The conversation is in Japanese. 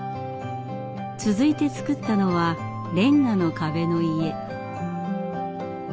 続いて造ったのはレンガの壁の家。